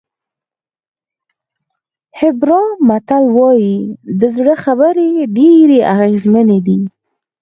هېبرا متل وایي د زړه خبرې ډېرې اغېزمنې دي.